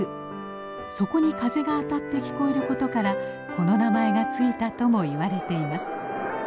そこに風が当たって聞こえることからこの名前が付いたとも言われています。